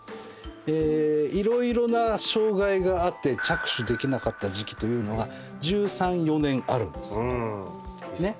え色々な障害があって着手できなかった時期というのが１３１４年あるんです。